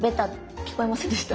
聞こえませんでした？